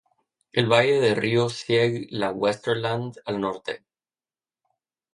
El valle del río Sieg la Westerwald al norte.